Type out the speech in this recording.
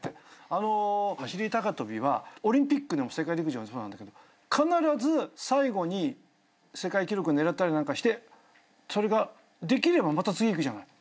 あの走り高跳びはオリンピックでも世界陸上でもそうなんだけど必ず最後に世界記録狙ったりなんかしてそれができればまた次いくじゃない。